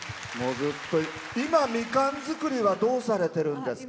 今、みかん作りはどうされてるんですか？